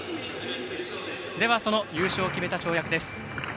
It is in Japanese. では、その優勝を決めた跳躍です。